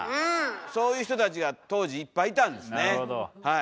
そういう人たちが当時いっぱいいたんですねはい。